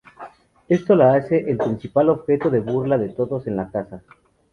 Esto la hace el principal objeto de burla de todos en la casa.